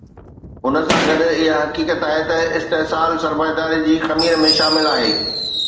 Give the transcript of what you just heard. ان سان گڏ اها حقيقت آهي ته استحصال سرمائيداري جي خمير ۾ شامل آهي.